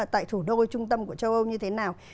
tại thủ đô trung tâm của châu âu như thế nào